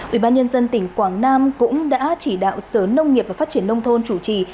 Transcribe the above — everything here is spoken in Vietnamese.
ủy ban nhân dân tỉnh quảng nam cũng đã chỉ đạo sở nông nghiệp và phát triển nông thôn chủ trì